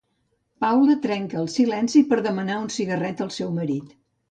Paula trenca el silenci per demanar un cigarret al seu marit.